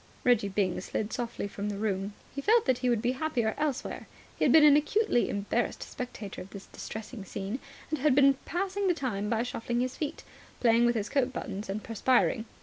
Reggie Byng slid softly from the room. He felt that he would be happier elsewhere. He had been an acutely embarrassed spectator of this distressing scene, and had been passing the time by shuffling his feet, playing with his coat buttons and perspiring.